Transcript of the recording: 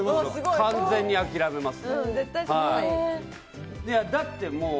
完全に諦めます。